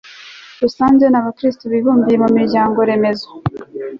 rusange n'abakristu bibumbiye mu miryango-remezo